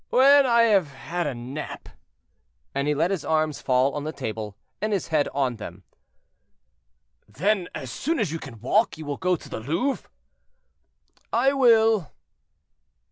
"When I have had a nap." And he let his arms fall on the table, and his head on them. "Then as soon as you can walk you will go to the Louvre?" "I will."